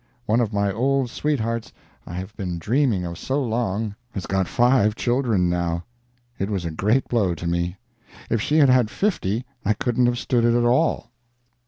One of my old sweethearts I have been dreaming of so long has got five children now. It was a great blow to me. If she had had fifty I couldn't have stood it at all.